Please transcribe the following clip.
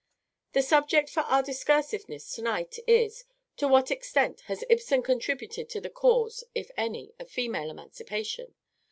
"The subject for our discursiveness to night is, '_To what extent has Ibsen contributed to the Cause (if any) of Female Emancipation?